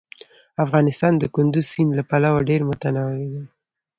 افغانستان د کندز سیند له پلوه ډېر متنوع دی.